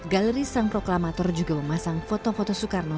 galeri sang proklamator juga memasang foto foto soekarno